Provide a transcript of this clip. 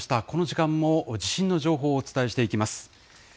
この時間も地震の情報をお伝えしていきます。